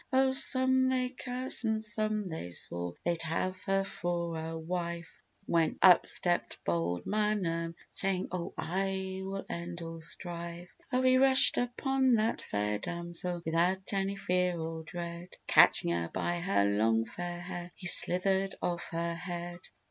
Oh, some they cursed, and some they swore They'd have her for a wife: When up stepped Bold Manum, saying, "Oh, I will end all strife!" Oh, he rushed upon that fair damsel. Without any fear or dread, And catching her by her long fair hair, He slivered off her head!